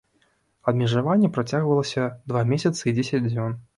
Абмежаванне працягвалася два месяцы і дзесяць дзён.